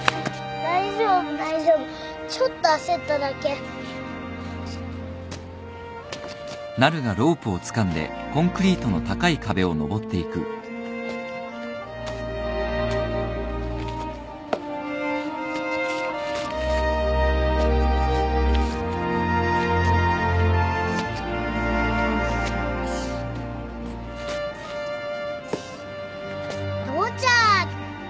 大丈夫大丈夫ちょっと焦っただけ。とうちゃーく。